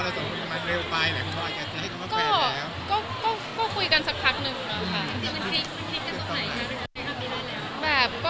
รู้ถึงมันพลิกกันตรงไหน